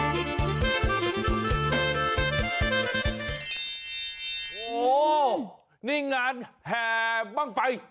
โอ้โหนี่งานแห่บ้างไฟ